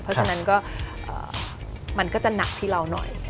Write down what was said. เพราะฉะนั้นก็มันก็จะหนักที่เราหน่อย